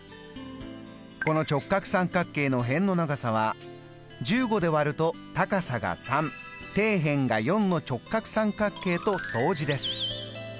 この直角三角形の辺の長さは１５で割ると高さが３底辺が４の直角三角形と相似です。